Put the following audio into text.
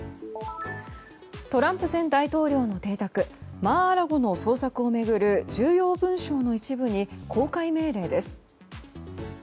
トランプ前大統領の邸宅マー・ア・ラゴの捜索を巡る重要文章の一部に公開命令です。